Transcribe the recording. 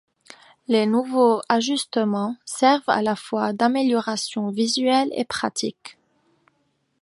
Les nouveaux ajustements servent à la fois d'améliorations visuelles et pratiques.